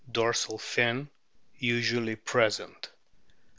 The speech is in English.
Dorsal fin usually present.